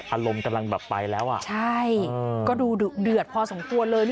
อารมณ์กำลังแบบไปแล้วอ่ะใช่ก็ดูเดือดพอสมควรเลย